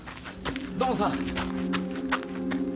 土門さん！